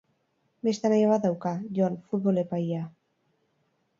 Beste anaia bat dauka, Jon, futbol epailea.